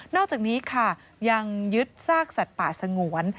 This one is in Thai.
อกจากนี้ค่ะยังยึดซากสัตว์ป่าสงวน